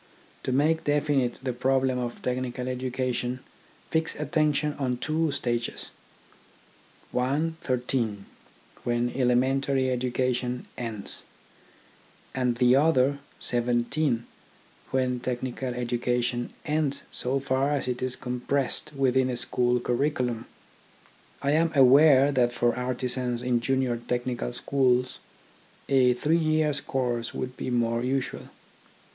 To make definite the problem of technical education fix attention on two ages : one thirteen, when elementary education ends ; and the other seventeen, when technical education ends so far as it is compressed within a school curriculum. I am aware that for artisans in junior technical schools a three years' course would be more usual.